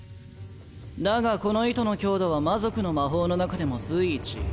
だがこの糸の強度は魔族の魔法の中でも随一。